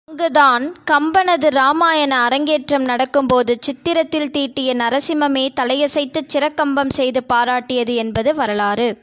அங்குதான் கம்பனது ராமாயண அரங்கேற்றம் நடக்கும்போது சித்திரத்தில் தீட்டிய நரசிம்மமே தலையசைத்துச் சிரக்கம்பம் செய்து பாராட்டியது என்பது வரலாறு.